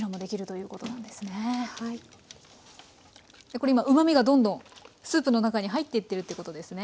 これ今うまみがどんどんスープの中に入っていってるってことですね。